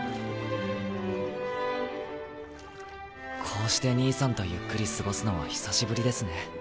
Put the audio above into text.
こうして兄さんとゆっくり過ごすのは久しぶりですね。